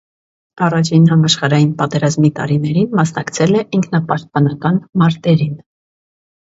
Առաջին համաշխարհային պատերազմի տարիներին մասնակցել է ինքնապաշտպանական մարտերին։